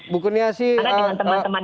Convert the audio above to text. bukunya sih karena dengan teman teman